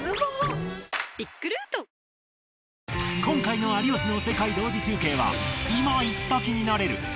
今回の『有吉の世界同時中継』は今行った気になれる。